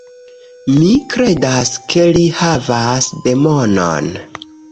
Mi kredas ke li havas demonon.